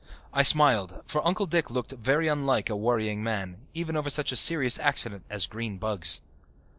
I smiled, for Uncle Dick looked very unlike a worrying man, even over such a serious accident as green bugs.